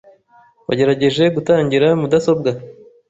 Wagerageje gutangira mudasobwa?